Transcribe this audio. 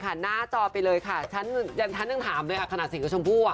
จากหน้าจอไปเลยค่ะฉันต้องถามเลยค่ะขนาดเสียงกับชมพู่อ่ะ